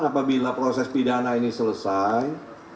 apabila proses pidana ini selesai